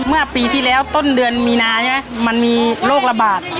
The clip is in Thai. เมื่อปีที่แล้วต้นเดือนมีนาใช่ไหมมันมีโรคระบาด